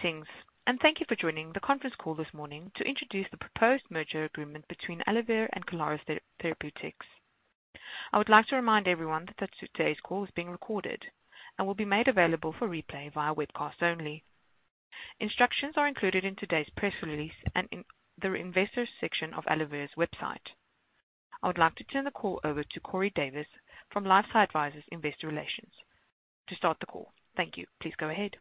Greetings, and thank you for joining the conference call this morning to introduce the proposed merger agreement between AlloVir and Kalaris Therapeutics. I would like to remind everyone that today's call is being recorded and will be made available for replay via webcast only. Instructions are included in today's press release and in the investor section of AlloVir's website. I would like to turn the call over to Corey Davis from LifeSci Advisors Investor Relations to start the call. Thank you. Please go ahead.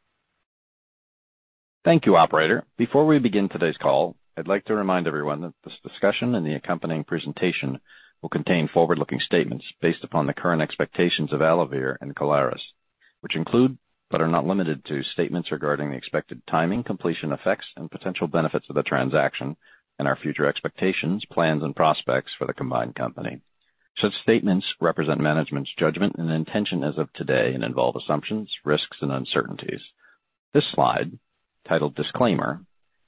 Thank you, Operator. Before we begin today's call, I'd like to remind everyone that this discussion and the accompanying presentation will contain forward-looking statements based upon the current expectations of AlloVir and Kalaris, which include but are not limited to statements regarding the expected timing, completion effects, and potential benefits of the transaction, and our future expectations, plans, and prospects for the combined company. Such statements represent management's judgment and intention as of today and involve assumptions, risks, and uncertainties. This slide, titled Disclaimer,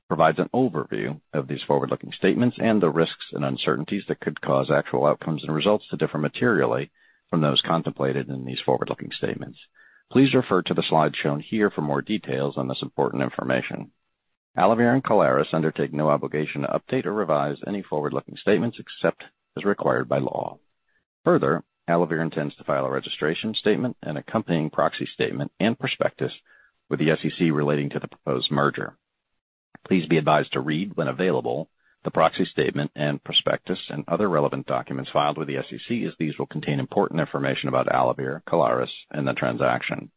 provides an overview of these forward-looking statements and the risks and uncertainties that could cause actual outcomes and results to differ materially from those contemplated in these forward-looking statements. Please refer to the slides shown here for more details on this important information. AlloVir and Kalaris undertake no obligation to update or revise any forward-looking statements except as required by law. Further, AlloVir intends to file a registration statement and accompanying proxy statement and prospectus with the SEC relating to the proposed merger. Please be advised to read, when available, the proxy statement and prospectus and other relevant documents filed with the SEC, as these will contain important information about AlloVir, Kalaris, and the transaction.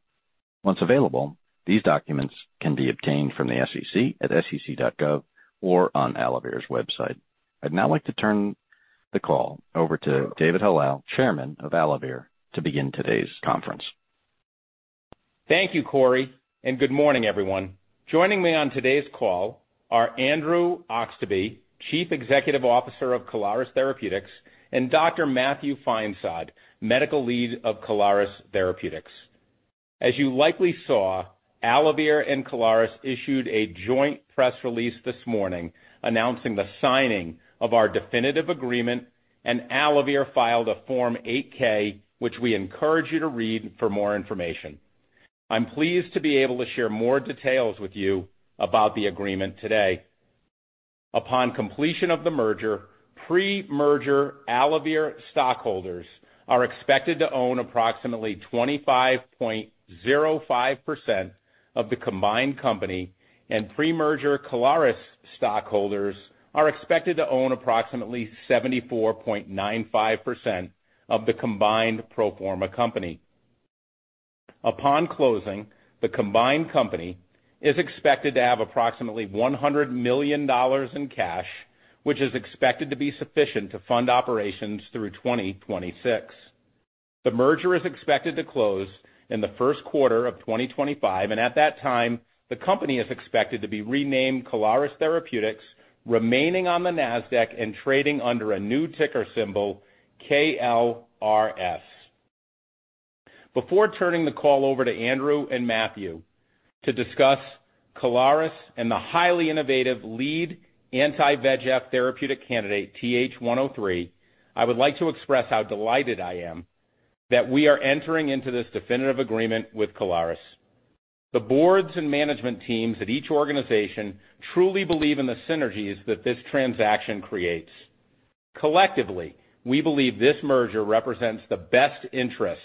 Once available, these documents can be obtained from the SEC at SEC.gov or on AlloVir's website. I'd now like to turn the call over to David Hallal, Chairman of AlloVir, to begin today's conference. Thank you, Corey, and good morning, everyone. Joining me on today's call are Andrew Oxtoby, Chief Executive Officer of Kalaris Therapeutics, and Dr. Matthew Feinsod, Medical Lead of Kalaris Therapeutics. As you likely saw, AlloVir and Kalaris issued a joint press release this morning announcing the signing of our definitive agreement, and AlloVir filed a Form 8-K, which we encourage you to read for more information. I'm pleased to be able to share more details with you about the agreement today. Upon completion of the merger, pre-merger AlloVir stockholders are expected to own approximately 25.05% of the combined company, and pre-merger Kalaris stockholders are expected to own approximately 74.95% of the combined pro forma company. Upon closing, the combined company is expected to have approximately $100 million in cash, which is expected to be sufficient to fund operations through 2026. The merger is expected to close in the first quarter of 2025, and at that time, the company is expected to be renamed Kalaris Therapeutics, remaining on the Nasdaq and trading under a new ticker symbol, KLRS. Before turning the call over to Andrew and Matthew to discuss Kalaris and the highly innovative lead anti-VEGF therapeutic candidate, TH103, I would like to express how delighted I am that we are entering into this definitive agreement with Kalaris. The boards and management teams at each organization truly believe in the synergies that this transaction creates. Collectively, we believe this merger represents the best interests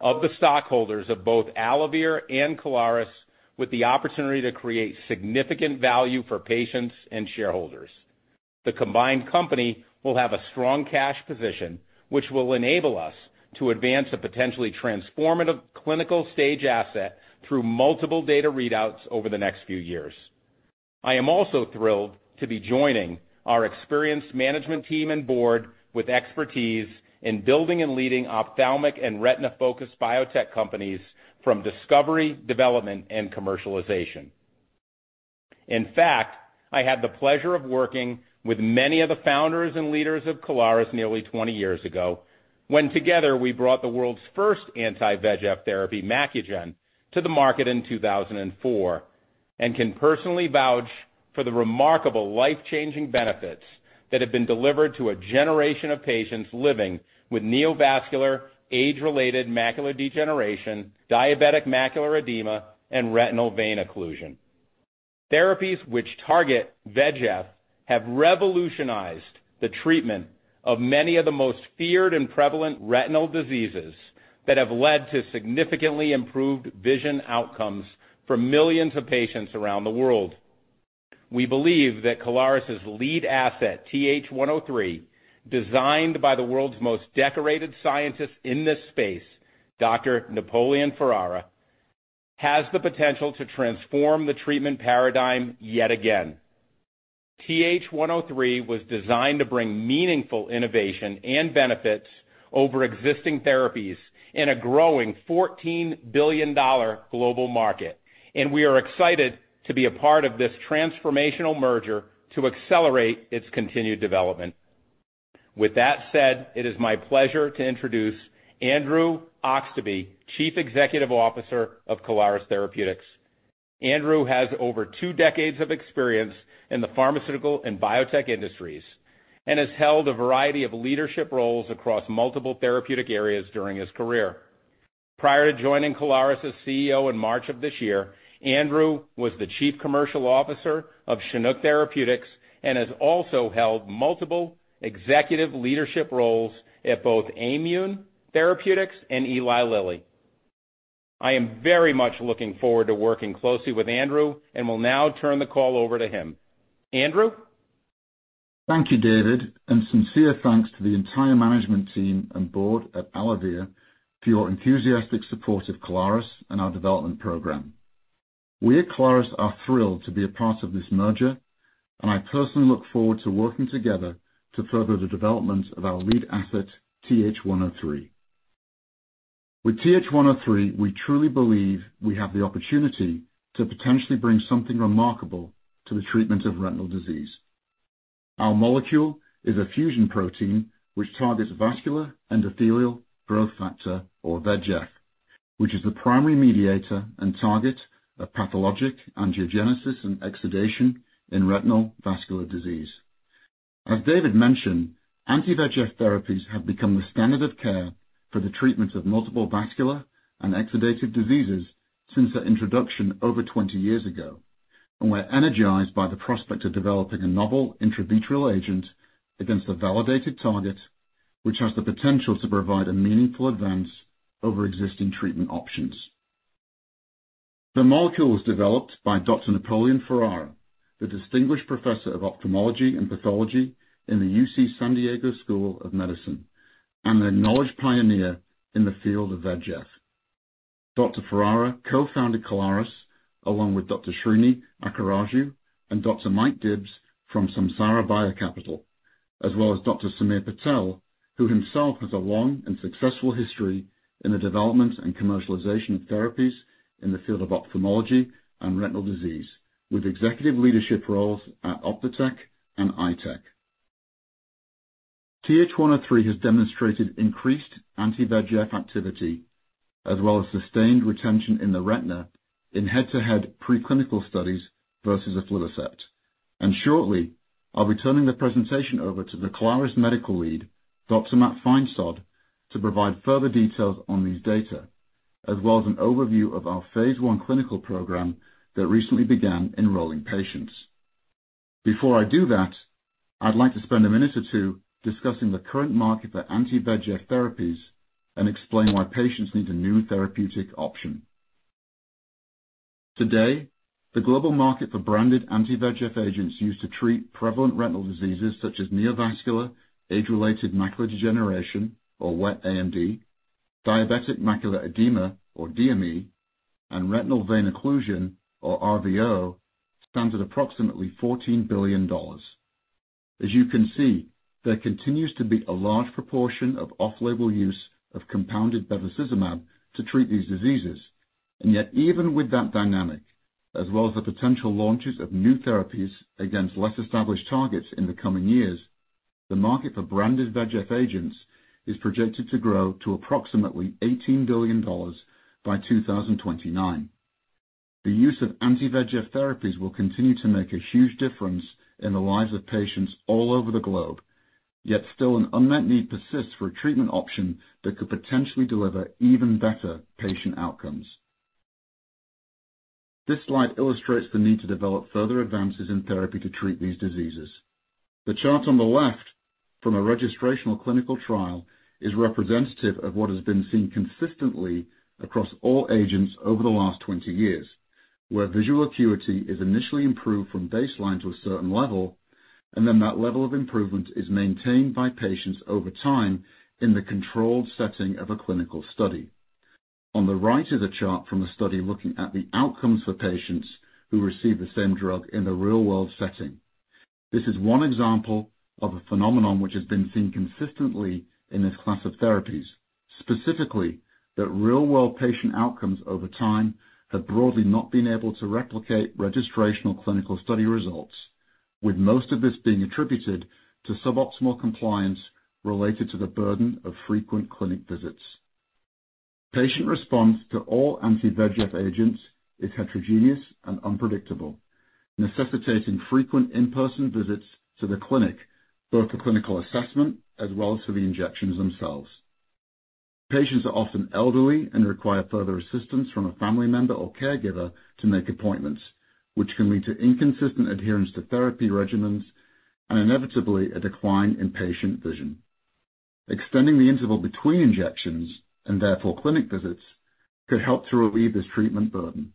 of the stockholders of both AlloVir and Kalaris, with the opportunity to create significant value for patients and shareholders. The combined company will have a strong cash position, which will enable us to advance a potentially transformative clinical stage asset through multiple data readouts over the next few years. I am also thrilled to be joining our experienced management team and board with expertise in building and leading ophthalmic and retina-focused biotech companies from discovery, development, and commercialization. In fact, I had the pleasure of working with many of the founders and leaders of Kalaris nearly 20 years ago when together we brought the world's first anti-VEGF therapy, Macugen, to the market in 2004, and can personally vouch for the remarkable life-changing benefits that have been delivered to a generation of patients living with neovascular age-related macular degeneration, diabetic macular edema, and retinal vein occlusion. Therapies which target VEGF have revolutionized the treatment of many of the most feared and prevalent retinal diseases that have led to significantly improved vision outcomes for millions of patients around the world. We believe that Kalaris's lead asset, TH103, designed by the world's most decorated scientist in this space, Dr. Napoleon Ferrara, has the potential to transform the treatment paradigm yet again. TH103 was designed to bring meaningful innovation and benefits over existing therapies in a growing $14 billion global market, and we are excited to be a part of this transformational merger to accelerate its continued development. With that said, it is my pleasure to introduce Andrew Oxtoby, Chief Executive Officer of Kalaris Therapeutics. Andrew has over two decades of experience in the pharmaceutical and biotech industries and has held a variety of leadership roles across multiple therapeutic areas during his career. Prior to joining Kalaris as CEO in March of this year, Andrew was the Chief Commercial Officer of Chinook Therapeutics and has also held multiple executive leadership roles at both Aimune Therapeutics and Eli Lilly. I am very much looking forward to working closely with Andrew and will now turn the call over to him. Andrew? Thank you, David, and sincere thanks to the entire management team and board at AlloVir for your enthusiastic support of Kalaris and our development program. We at Kalaris are thrilled to be a part of this merger, and I personally look forward to working together to further the development of our lead asset, TH103. With TH103, we truly believe we have the opportunity to potentially bring something remarkable to the treatment of retinal disease. Our molecule is a fusion protein which targets vascular endothelial growth factor, or VEGF, which is the primary mediator and target of pathologic angiogenesis and exudation in retinal vascular disease. As David mentioned, anti-VEGF therapies have become the standard of care for the treatment of multiple vascular and exudative diseases since their introduction over 20 years ago, and we're energized by the prospect of developing a novel intravitreal agent against a validated target which has the potential to provide a meaningful advance over existing treatment options. The molecule was developed by Dr. Napoleon Ferrara, the distinguished professor of ophthalmology and pathology in the UC San Diego School of Medicine, and an acknowledged pioneer in the field of VEGF. Dr. Ferrara co-founded Kalaris along with Dr. Srini Akkaraju and Dr. Mike Dybbs from Samsara BioCapital, as well as Dr. Samir Patel, who himself has a long and successful history in the development and commercialization of therapies in the field of ophthalmology and retinal disease, with executive leadership roles at Ophthotech and Eyetech. TH103 has demonstrated increased anti-VEGF activity, as well as sustained retention in the retina in head-to-head preclinical studies versus aflibercept, and shortly, I'll be turning the presentation over to the Kalaris medical lead, Dr. Matt Feinsod, to provide further details on these data, as well as an overview of our Phase I clinical program that recently began enrolling patients. Before I do that, I'd like to spend a minute or two discussing the current market for anti-VEGF therapies and explain why patients need a new therapeutic option. Today, the global market for branded anti-VEGF agents used to treat prevalent retinal diseases such as neovascular age-related macular degeneration, or wet AMD, diabetic macular edema, or DME, and retinal vein occlusion, or RVO, stands at approximately $14 billion. As you can see, there continues to be a large proportion of off-label use of compounded bevacizumab to treat these diseases. And yet, even with that dynamic, as well as the potential launches of new therapies against less established targets in the coming years, the market for branded VEGF agents is projected to grow to approximately $18 billion by 2029. The use of anti-VEGF therapies will continue to make a huge difference in the lives of patients all over the globe, yet still an unmet need persists for a treatment option that could potentially deliver even better patient outcomes. This slide illustrates the need to develop further advances in therapy to treat these diseases. The chart on the left from a registrational clinical trial is representative of what has been seen consistently across all agents over the last 20 years, where visual acuity is initially improved from baseline to a certain level, and then that level of improvement is maintained by patients over time in the controlled setting of a clinical study. On the right is a chart from a study looking at the outcomes for patients who receive the same drug in a real-world setting. This is one example of a phenomenon which has been seen consistently in this class of therapies, specifically that real-world patient outcomes over time have broadly not been able to replicate registrational clinical study results, with most of this being attributed to suboptimal compliance related to the burden of frequent clinic visits. Patient response to all anti-VEGF agents is heterogeneous and unpredictable, necessitating frequent in-person visits to the clinic, both for clinical assessment as well as for the injections themselves. Patients are often elderly and require further assistance from a family member or caregiver to make appointments, which can lead to inconsistent adherence to therapy regimens and inevitably a decline in patient vision. Extending the interval between injections and therefore clinic visits could help to relieve this treatment burden.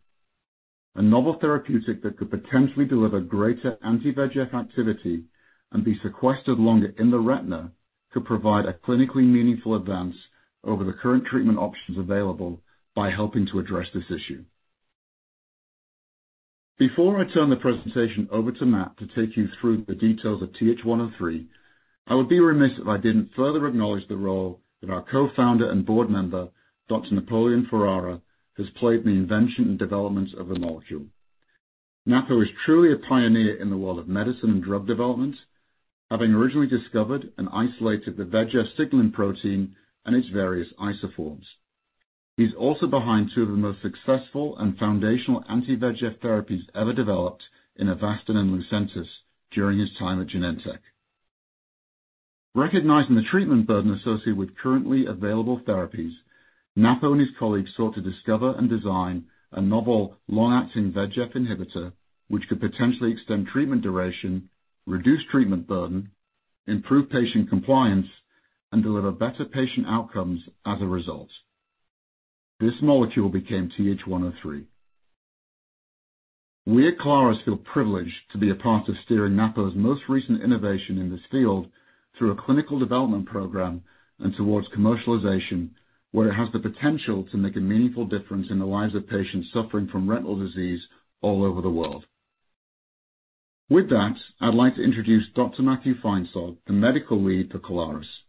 A novel therapeutic that could potentially deliver greater anti-VEGF activity and be sequestered longer in the retina could provide a clinically meaningful advance over the current treatment options available by helping to address this issue. Before I turn the presentation over to Matt to take you through the details of TH103, I would be remiss if I didn't further acknowledge the role that our co-founder and board member, Dr. Napoleon Ferrara has played in the invention and development of the molecule. Matthew is truly a pioneer in the world of medicine and drug development, having originally discovered and isolated the VEGF signaling protein and its various isoforms. He's also behind two of the most successful and foundational anti-VEGF therapies ever developed in Avastin and Lucentis during his time at Genentech. Recognizing the treatment burden associated with currently available therapies, Matthew and his colleagues sought to discover and design a novel long-acting VEGF inhibitor which could potentially extend treatment duration, reduce treatment burden, improve patient compliance, and deliver better patient outcomes as a result. This molecule became TH103. We at Kalaris feel privileged to be a part of steering Matthew's most recent innovation in this field through a clinical development program and towards commercialization, where it has the potential to make a meaningful difference in the lives of patients suffering from retinal disease all over the world. With that, I'd like to introduce Dr. Matthew Feinsod, the medical lead for Kalaris.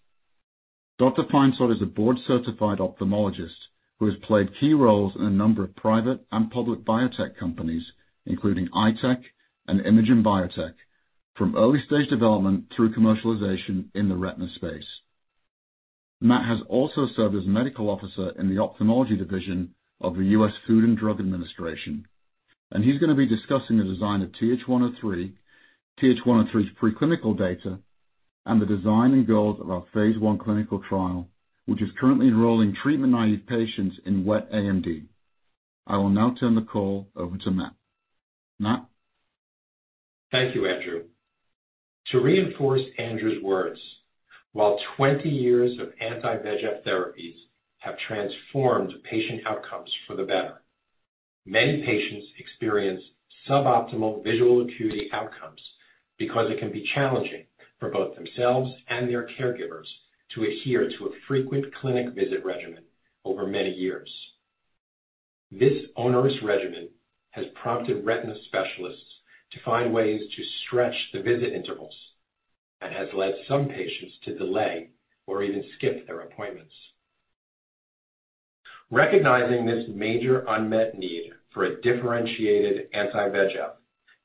Dr. Feinsod is a board-certified ophthalmologist who has played key roles in a number of private and public biotech companies, including Eyetech and Imagen Biotech, from early-stage development through commercialization in the retina space. Matt has also served as medical officer in the ophthalmology division of the U.S. Food and Drug Administration, and he's going to be discussing the design of TH103, TH103's preclinical data, and the design and goals of our Phase I clinical trial, which is currently enrolling treatment-naive patients in wet AMD. I will now turn the call over to Matt. Matt. Thank you, Andrew. To reinforce Andrew's words, while 20 years of anti-VEGF therapies have transformed patient outcomes for the better, many patients experience suboptimal visual acuity outcomes because it can be challenging for both themselves and their caregivers to adhere to a frequent clinic visit regimen over many years. This onerous regimen has prompted retina specialists to find ways to stretch the visit intervals and has led some patients to delay or even skip their appointments. Recognizing this major unmet need for a differentiated anti-VEGF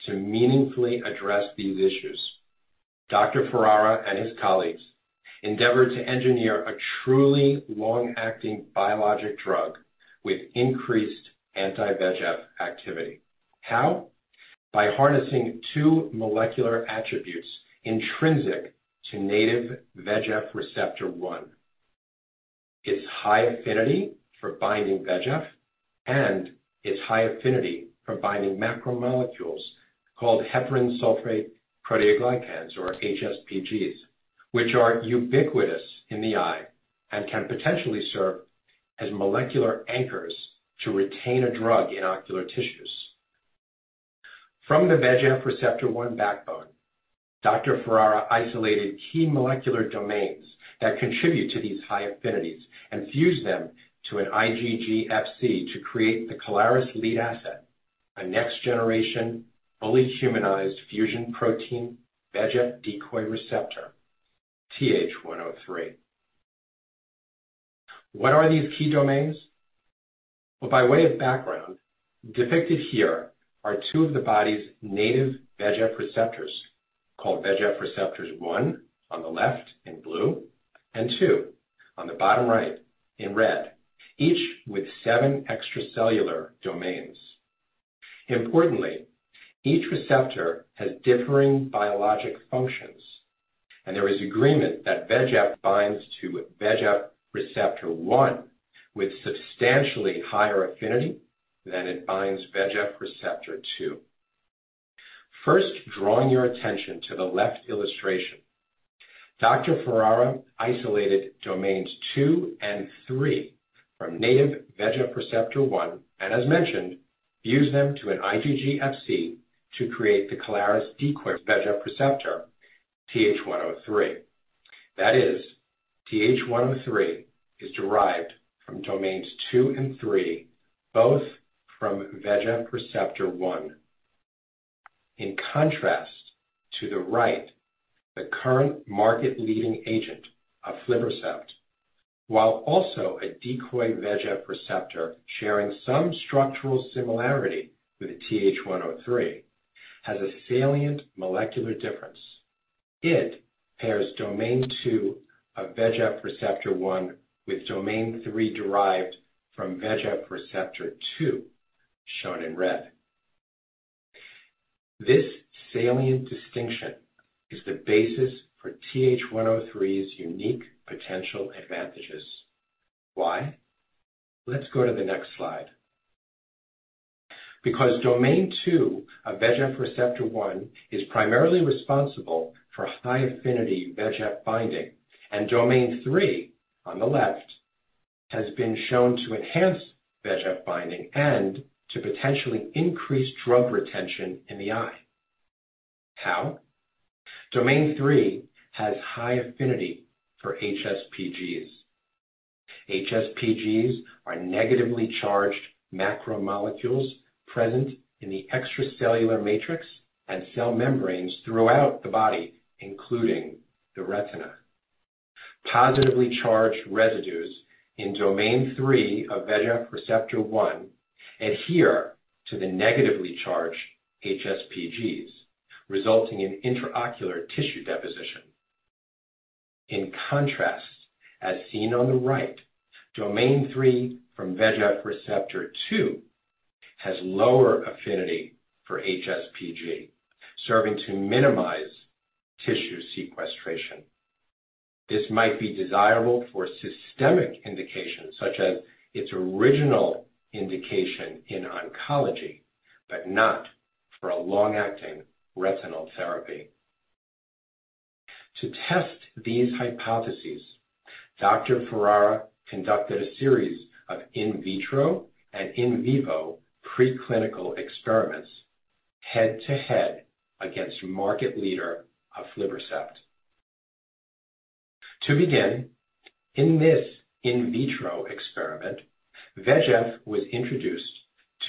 to meaningfully address these issues, Dr. Ferrara and his colleagues endeavored to engineer a truly long-acting biologic drug with increased anti-VEGF activity. How? By harnessing two molecular attributes intrinsic to native VEGF receptor 1: its high affinity for binding VEGF and its high affinity for binding macromolecules called heparan sulfate proteoglycans, or HSPGs, which are ubiquitous in the eye and can potentially serve as molecular anchors to retain a drug in ocular tissues. From the VEGF receptor 1 backbone, Dr. Ferrara isolated key molecular domains that contribute to these high affinities and fused them to an IgG Fc to create the Kalaris lead asset, a next-generation fully humanized fusion protein VEGF decoy receptor, TH103. What are these key domains? By way of background, depicted here are two of the body's native VEGF receptors called VEGF receptors 1 on the left in blue and 2 on the bottom right in red, each with seven extracellular domains. Importantly, each receptor has differing biologic functions, and there is agreement that VEGF binds to VEGF receptor 1 with substantially higher affinity than it binds VEGF receptor 2. First, drawing your attention to the left illustration, Dr. Ferrara isolated domains 2 and 3 from native VEGF receptor 1 and, as mentioned, fused them to an IgG Fc to create the Kalaris decoy VEGF receptor, TH103. That is, TH103 is derived from domains 2 and 3, both from VEGF receptor 1. In contrast to the right, the current market-leading agent, aflibercept, while also a decoy VEGF receptor sharing some structural similarity with TH103, has a salient molecular difference. It pairs domain 2 of VEGF receptor 1 with domain 3 derived from VEGF receptor 2, shown in red. This salient distinction is the basis for TH103's unique potential advantages. Why? Let's go to the next slide. Because domain 2 of VEGF receptor 1 is primarily responsible for high affinity VEGF binding, and domain 3 on the left has been shown to enhance VEGF binding and to potentially increase drug retention in the eye. How? Domain 3 has high affinity for HSPGs. HSPGs are negatively charged macromolecules present in the extracellular matrix and cell membranes throughout the body, including the retina. Positively charged residues in domain 3 of VEGF receptor 1 adhere to the negatively charged HSPGs, resulting in intraocular tissue deposition. In contrast, as seen on the right, domain 3 from VEGF receptor 2 has lower affinity for HSPG, serving to minimize tissue sequestration. This might be desirable for systemic indications, such as its original indication in oncology, but not for a long-acting retinal therapy. To test these hypotheses, Dr. Ferrara conducted a series of in vitro and in vivo preclinical experiments head-to-head against market leader aflibercept. To begin, in this in vitro experiment, VEGF was introduced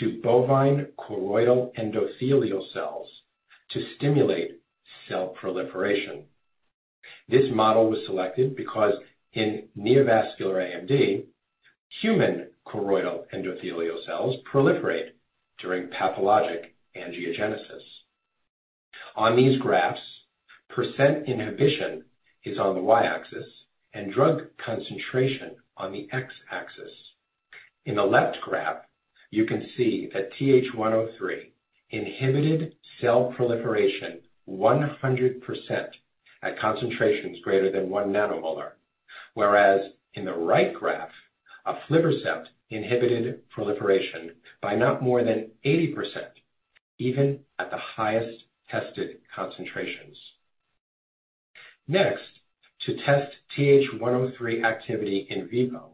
to bovine choroidal endothelial cells to stimulate cell proliferation. This model was selected because in neovascular AMD, human choroidal endothelial cells proliferate during pathologic angiogenesis. On these graphs, percent inhibition is on the y-axis and drug concentration on the x-axis. In the left graph, you can see that TH103 inhibited cell proliferation 100% at concentrations greater than one nanomolar, whereas in the right graph, aflibercept inhibited proliferation by not more than 80%, even at the highest tested concentrations. Next, to test TH103 activity in vivo,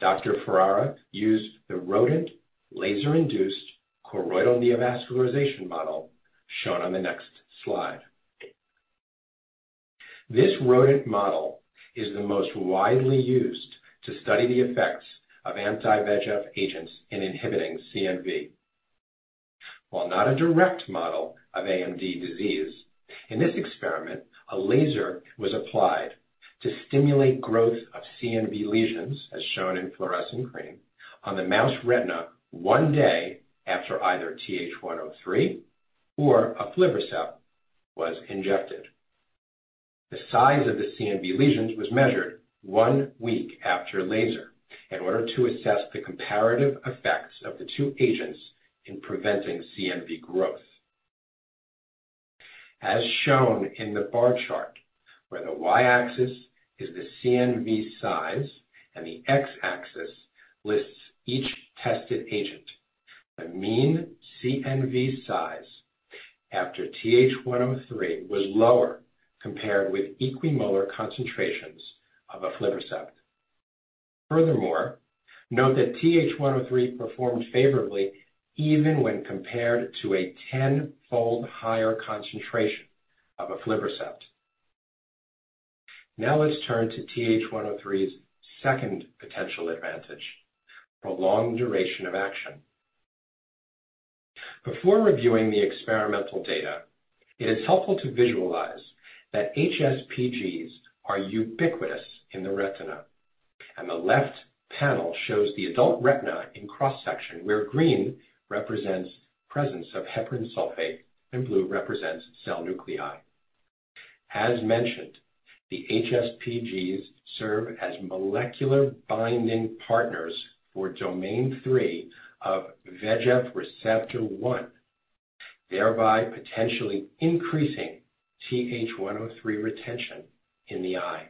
Dr. Ferrara used the rodent laser-induced choroidal neovascularization model shown on the next slide. This rodent model is the most widely used to study the effects of anti-VEGF agents in inhibiting CNV. While not a direct model of AMD disease, in this experiment, a laser was applied to stimulate growth of CNV lesions, as shown in fluorescent green, on the mouse retina one day after either TH103 or aflibercept was injected. The size of the CNV lesions was measured one week after laser in order to assess the comparative effects of the two agents in preventing CNV growth. As shown in the bar chart, where the y-axis is the CNV size and the x-axis lists each tested agent, the mean CNV size after TH103 was lower compared with equimolar concentrations of aflibercept. Furthermore, note that TH103 performed favorably even when compared to a 10-fold higher concentration of aflibercept. Now let's turn to TH103's second potential advantage: prolonged duration of action. Before reviewing the experimental data, it is helpful to visualize that HSPGs are ubiquitous in the retina, and the left panel shows the adult retina in cross-section, where green represents the presence of heparan sulfate and blue represents cell nuclei. As mentioned, the HSPGs serve as molecular binding partners for domain 3 of VEGF receptor 1, thereby potentially increasing TH103 retention in the eye.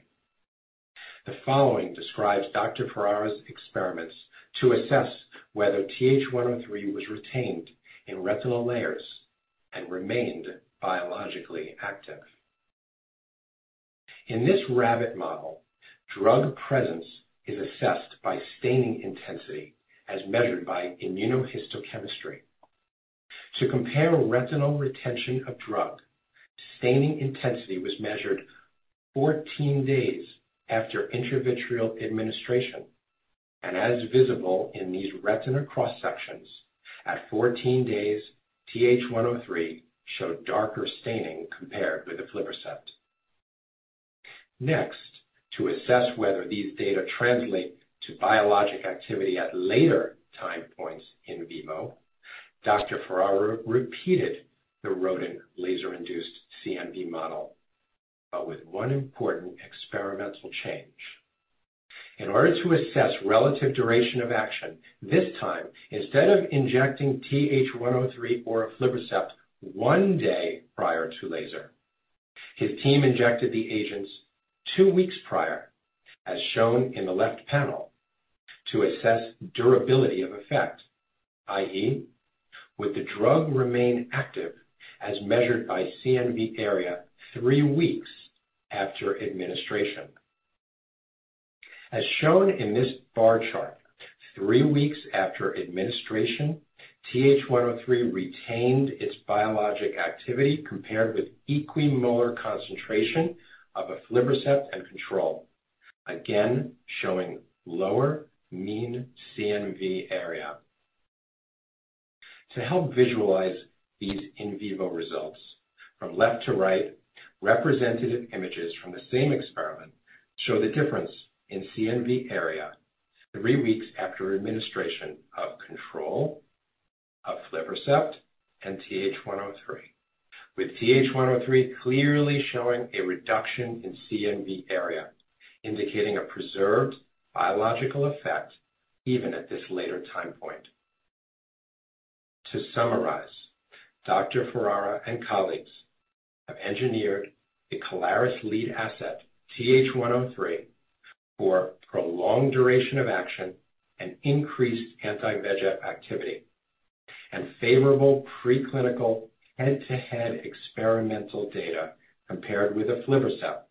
The following describes Dr. Ferrara's experiments to assess whether TH103 was retained in retinal layers and remained biologically active. In this rabbit model, drug presence is assessed by staining intensity, as measured by immunohistochemistry. To compare retinal retention of drug, staining intensity was measured 14 days after intravitreal administration, and as visible in these retina cross-sections, at 14 days, TH103 showed darker staining compared with aflibercept. Next, to assess whether these data translate to biologic activity at later time points in vivo, Dr. Ferrara repeated the rodent laser-induced CNV model, but with one important experimental change. In order to assess relative duration of action this time, instead of injecting TH103 or aflibercept one day prior to laser, his team injected the agents two weeks prior, as shown in the left panel, to assess durability of effect, i.e., would the drug remain active as measured by CNV area three weeks after administration. As shown in this bar chart, three weeks after administration, TH103 retained its biologic activity compared with equimolar concentration of aflibercept and control, again showing lower mean CNV area. To help visualize these in vivo results, from left to right, representative images from the same experiment show the difference in CNV area three weeks after administration of control, aflibercept, and TH103, with TH103 clearly showing a reduction in CNV area, indicating a preserved biological effect even at this later time point. To summarize, Dr. Ferrara and colleagues have engineered the Kalaris lead asset, TH103, for prolonged duration of action and increased anti-VEGF activity, and favorable preclinical head-to-head experimental data compared with aflibercept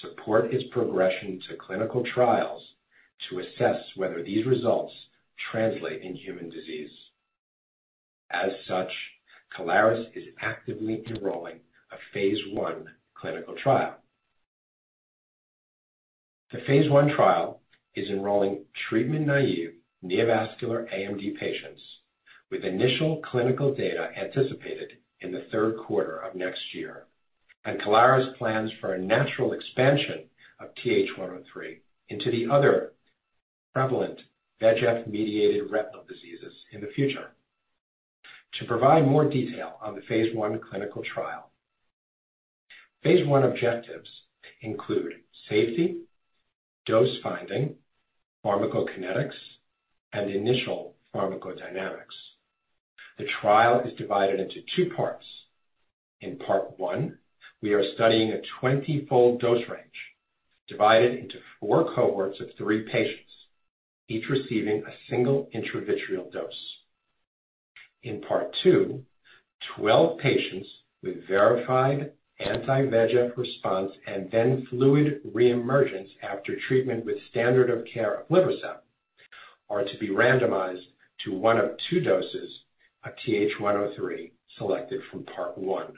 support its progression to clinical trials to assess whether these results translate in human disease. As such, Kalaris is actively enrolling a Phase I clinical trial. The Phase I trial is enrolling treatment-naive neovascular AMD patients with initial clinical data anticipated in the third quarter of next year, and Kalaris plans for a natural expansion of TH103 into the other prevalent VEGF-mediated retinal diseases in the future. To provide more detail on the Phase I clinical trial, Phase I objectives include safety, dose finding, pharmacokinetics, and initial pharmacodynamics. The trial is divided into two parts. In part one, we are studying a 20-fold dose range divided into four cohorts of three patients, each receiving a single intravitreal dose. In part two, 12 patients with verified anti-VEGF response and then fluid reemergence after treatment with standard of care aflibercept are to be randomized to one of two doses of TH103 selected from part one.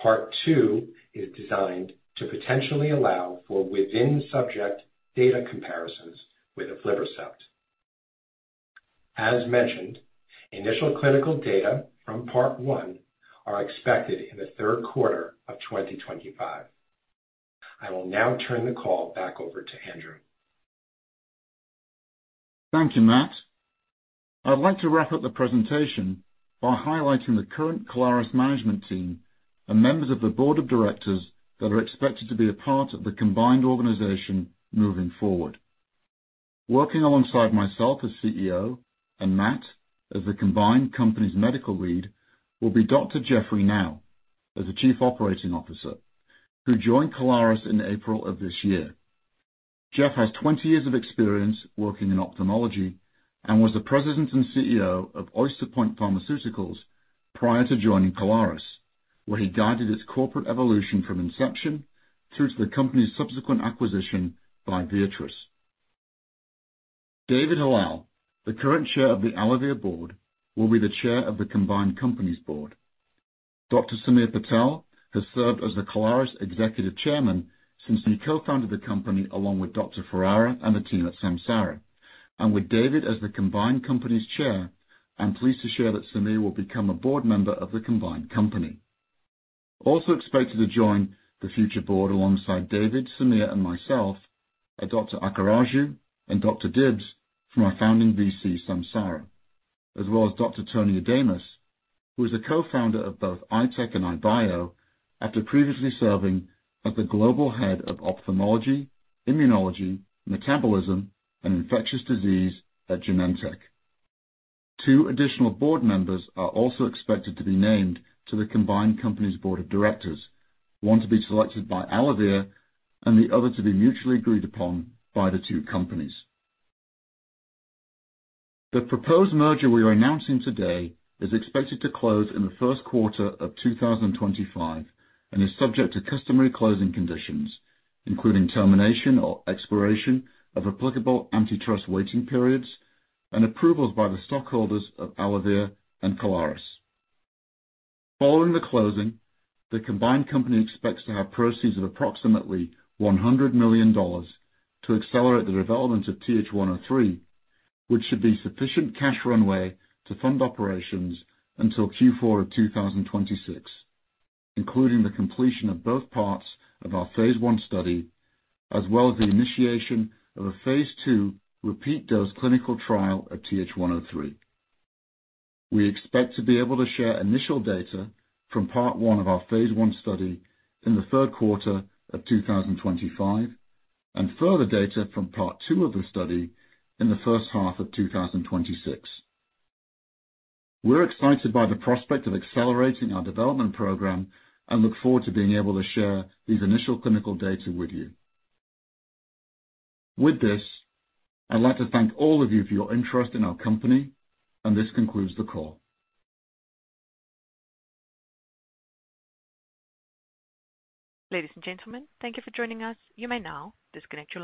Part two is designed to potentially allow for within-subject data comparisons with aflibercept. As mentioned, initial clinical data from part one are expected in the third quarter of 2025. I will now turn the call back over to Andrew. Thank you, Matt. I'd like to wrap up the presentation by highlighting the current Kalaris management team and members of the board of directors that are expected to be a part of the combined organization moving forward. Working alongside myself as CEO and Matt as the combined company's medical lead, will be Dr. Jeffrey Nau as the Chief Operating Officer, who joined Kalaris in April of this year. Jeff has 20 years of experience working in ophthalmology and was the President and CEO of Oyster Point Pharmaceuticals prior to joining Kalaris, where he guided its corporate evolution from inception through to the company's subsequent acquisition by Viatris. David Hallal, the current Chair of the AlloVir board, will be the Chair of the combined company's board. Dr. Samir Patel has served as the Kalaris Executive Chairman since he co-founded the company along with Dr. Ferrara and the team at Samsara, and with David as the combined company's chair, I'm pleased to share that Samir will become a board member of the combined company. Also expected to join the future board alongside David, Samir, and myself are Dr. Akkaraju and Dr. Dybbs from our founding VC, Samsara, as well as Dr. Tony Adamis, who is the co-founder of both Eyetech and EyeBio after previously serving as the global head of ophthalmology, immunology, metabolism, and infectious disease at Genentech. Two additional board members are also expected to be named to the combined company's board of directors, one to be selected by AlloVir and the other to be mutually agreed upon by the two companies. The proposed merger we are announcing today is expected to close in the first quarter of 2025 and is subject to customary closing conditions, including termination or expiration of applicable antitrust waiting periods and approvals by the stockholders of AlloVir and Kalaris. Following the closing, the combined company expects to have proceeds of approximately $100 million to accelerate the development of TH103, which should be sufficient cash runway to fund operations until Q4 of 2026, including the completion of both parts of our Phase I study, as well as the initiation of a Phase II repeat dose clinical trial of TH103. We expect to be able to share initial data from part one of our Phase I study in the third quarter of 2025 and further data from part two of the study in the first half of 2026. We're excited by the prospect of accelerating our development program and look forward to being able to share these initial clinical data with you. With this, I'd like to thank all of you for your interest in our company, and this concludes the call. Ladies and gentlemen, thank you for joining us. You may now disconnect from.